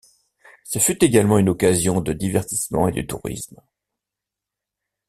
Ce fut également une occasion de divertissement et de tourisme.